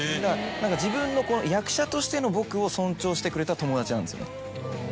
自分のこの役者としての僕を尊重してくれた友達なんですよね。